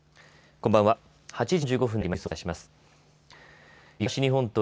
こんばんは。